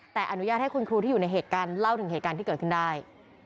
แต่อนุญาตให้คุณครูที่อยู่ในเหตุการณ์เล่าถึงเหตุการณ์ที่เกิดขึ้นได้